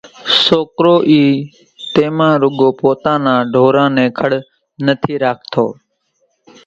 سوڪرو اِي ٽيمين روڳو پوتا نان ڍوران نين کڙ نٿي راکتو۔